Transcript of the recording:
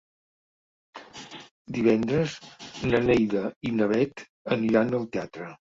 Divendres na Neida i na Bet aniran al teatre.